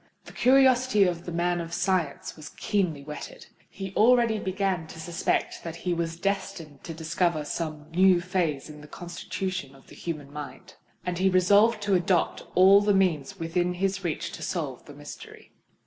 The curiosity of the man of science was keenly whetted: he already began to suspect that he was destined to discover some new phase in the constitution of the human mind; and he resolved to adopt all the means within his reach to solve the mystery.